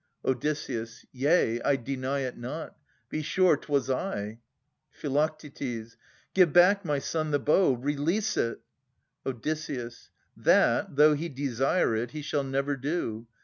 Od. Yea. I deny it not. Be sure, 'twas I. Phi. Give back, my son, the bow ; release it ! Od. That, Though he desire it, he shall never do.